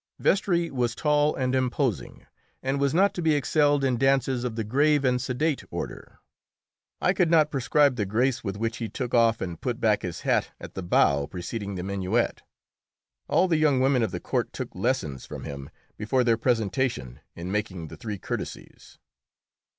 Vestris was tall and imposing, and was not to be excelled in dances of the grave and sedate order. I could not prescribe the grace with which he took off and put back his hat at the bow preceding the minuet. All the young women of the court took lessons from him, before their presentation, in making the three courtesies.